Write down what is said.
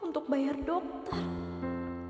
untuk bayar dokter